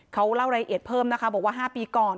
เขาเล่ารายละเอียดเพิ่มนะคะบอกว่า๕ปีก่อน